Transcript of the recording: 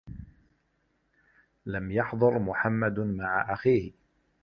لَمْ يَحْضُرْ مُحَمَّدٌ مَعَ أَخِيه.